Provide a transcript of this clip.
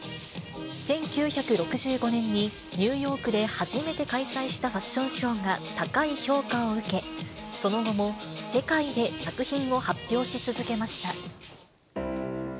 １９６５年にニューヨークで初めて開催したファッションショーが高い評価を受け、その後も世界で作品を発表し続けました。